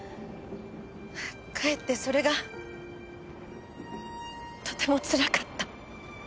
かえってそれがとてもつらかった。